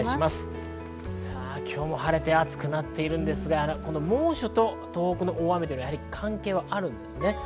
今日も晴れて暑くなってるんですが、猛暑と東北の大雨は関係あるんですね。